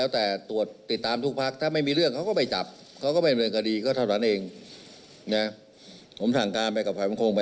ติดตามจากรายงานครับ